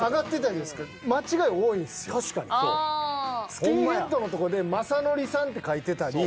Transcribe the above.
スキンヘッドのとこで「雅紀さん」って書いてたり。